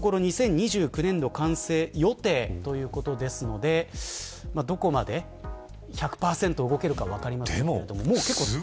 今のところ２０２９年度完成予定ということですのでどこまで、１００％動けるか分かりませんけれども。